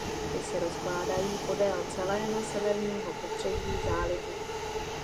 Ty se rozkládají podél celého severního pobřeží zálivu.